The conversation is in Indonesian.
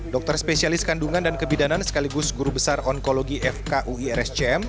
dokter spesialis kandungan dan kebidanan sekaligus guru besar onkologi fkuirscm